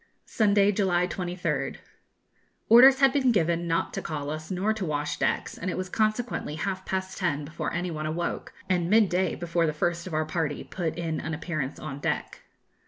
Sunday, July 23rd. Orders had been given not to call us nor to wash decks, and it was consequently half past ten before any one awoke, and midday before the first of our party put in an appearance on deck.